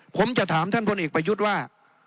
ผมจะถามท่านพลเอกประยุทธ์ว่า